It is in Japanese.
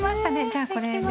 じゃあこれで。